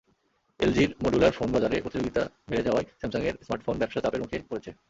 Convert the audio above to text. এলজির modular ফোনবাজারে প্রতিযোগিতা বেড়ে যাওয়ায় স্যামসাংয়ের স্মার্টফোন ব্যবসা চাপের মুখে পড়েছে।